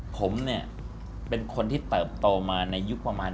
ผมเนี่ยเป็นคนที่เติบโตมาในยุคประมาณ